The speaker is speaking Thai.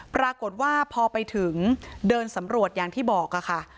ปรากฏว่าพอไปถึงเดินสำรวจอย่างที่บอกค่ะ